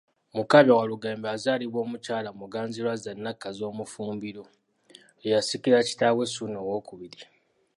Mukaabya Walugembe azaalibwa Omukyala Muganzirwazza Nakkazi Omufumbiro, ye yasikira kitaawe Ssuuna II.